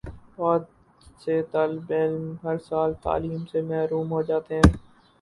بہت سے طالب علم ہر سال تعلیم سے محروم ہو جاتے ہیں